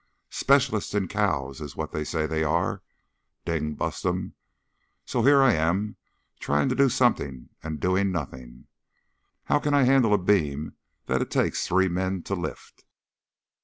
Specialists in cows is what they say they are, ding bust 'em! So here I am trying to do something and doing nothing. How can I handle a beam that it takes three men to lift?"